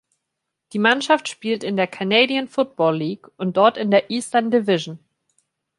Die Mannschaft spielt in der Canadian Football League und dort in der "Eastern Division".